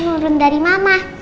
nurun dari mama